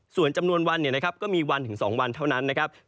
ส่วนจำนวนวันก็มีวันถึง๒วันเท่านั้นนะครับ